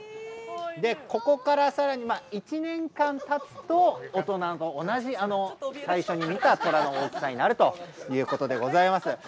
ここからさらに１年間たつと大人と同じ最初に見たトラの大きさになるということです。